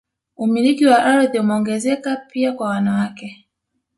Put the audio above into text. Umiliki wa ardhi umeongezeka pia kwa wanawake